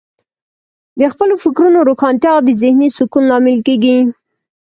د خپلو فکرونو روښانتیا د ذهنې سکون لامل کیږي.